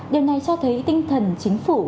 điều này cho thấy tinh thần chính phủ